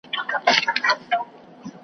ړوند یو وار امساء ورکوي .